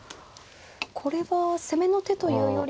これは攻めの手というよりは。